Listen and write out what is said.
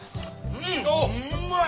うまい！